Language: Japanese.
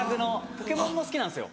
『ポケモン』も好きなんですよ。